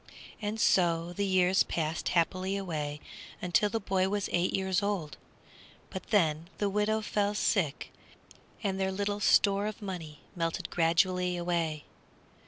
And so the years passed happily away till the boy was eight years old, but then the widow fell sick, and their little store of money melted gradually away.